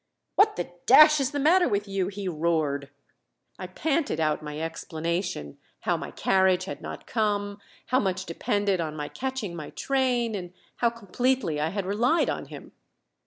"What the dash is the matter with you?" he roared. I panted out my explanation how my carriage had not come, how much depended on my catching my train, and how completely I had relied on him.